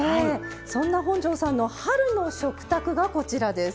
そんな本上さんの春の食卓がこちらです。